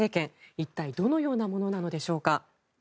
一体どのようなものなのでしょうか。